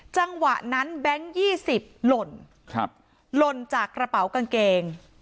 จังหวะนั้นแบงค์๒๐หล่นหล่นจากกระเป๋ากางเกง